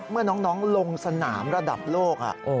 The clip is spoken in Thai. เมื่อน้องลงสนามระดับโลก